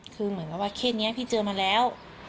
คือเหมือนกับว่าเคสนี้พี่เจอมาแล้ว